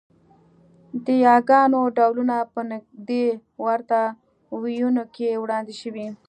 د یاګانو ډولونه په نږدې ورته وییونو کې وړاندې شوي